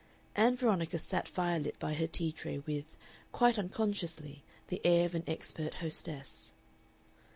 Ann Veronica sat firelit by her tea tray with, quite unconsciously, the air of an expert hostess.